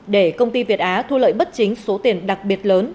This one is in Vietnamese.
để công ty việt á thu lợi bất chính số tiền đặc biệt lớn